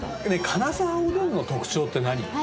金澤おでんの特徴って何？